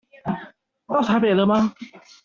到台北了嗎？